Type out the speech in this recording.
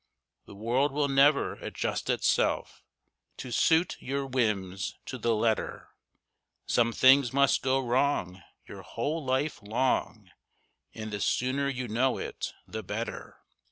The world will never adjust itself To suit your whims to the letter, Some things must go wrong your whole life long, And the sooner you know it the better.